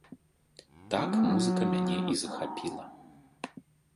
Так музыка мяне і захапіла.